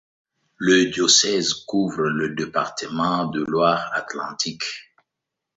Le diocèse couvre le département de Loire-Atlantique.